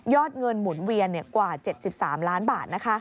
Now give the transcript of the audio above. เงินหมุนเวียนกว่า๗๓ล้านบาท